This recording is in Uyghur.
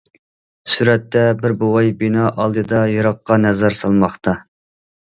سۈرەتتە: بىر بوۋاي بىنا ئالدىدا يىراققا نەزەر سالماقتا.